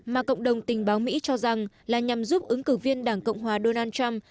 mà cộng đồng tình báo mỹ cho rằng là nhằm giúp ứng cử viên đảng cộng hòa donald trump